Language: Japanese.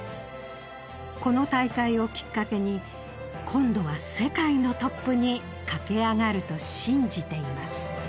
「この大会をきっかけに今度は世界のトップにかけ上がると信じています」